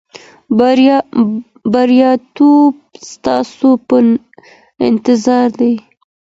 بریالیتوب ستاسو په انتظار دی.